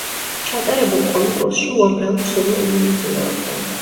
ჩატარებულ კონკურსში უამრავი მსურველი მონაწილეობდა.